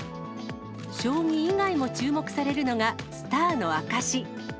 将棋以外も注目されるのがスターの証し。